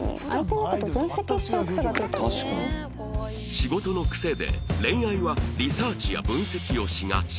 仕事のクセで恋愛はリサーチや分析をしがち